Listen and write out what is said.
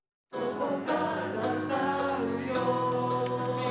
「ここから歌うよ」